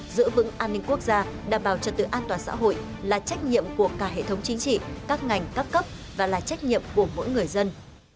giữ vững an ninh quốc gia đảm bảo trật tự an toàn xã hội là trách nhiệm của cả hệ thống chính trị các ngành các cấp và là trách nhiệm của mỗi người dân